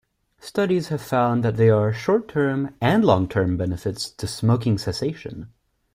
Studies have found that there are short-term and long-term benefits to smoking cessation.